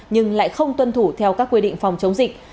nhưng lại không tuân thủ theo các quy định phòng chống dịch